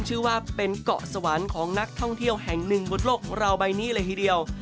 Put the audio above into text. ชื่อว่าเป็นเกาะสวรรค์ของนักท่องเที่ยวแห่งหนึ่งบนโลกของเราใบนี้เลยทีเดียว